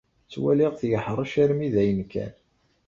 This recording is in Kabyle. Ttwaliɣ-t yeḥṛec armi d ayen kan.